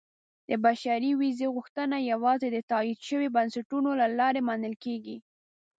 • د بشري ویزې غوښتنه یوازې د تایید شویو بنسټونو له لارې منل کېږي.